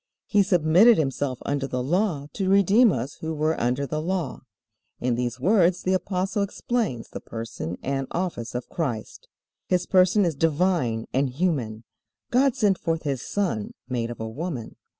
He submitted Himself under the Law to redeem us who were under the Law." In these words the Apostle explains the person and office of Christ. His person is divine and human. "God sent forth His Son, made of a woman."